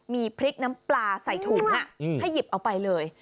มีพริกน้ำปลาใส่ถุงให้หยิบเอาไปเลย